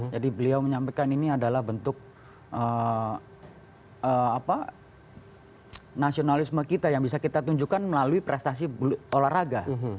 jadi beliau menyampaikan ini adalah bentuk nasionalisme kita yang bisa kita tunjukkan melalui prestasi olahraga